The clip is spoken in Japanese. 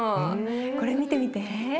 これ見てみて。